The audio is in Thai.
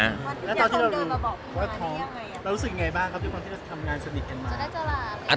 แล้วตอนที่เรารู้ว่าท้องเรารู้สึกยังไงบ้างครับทุกคนที่เราทำงานสนิทเห็นมาก